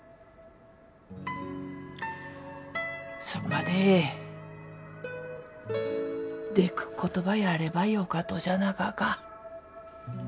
それまででくっことばやればよかとじゃなかか。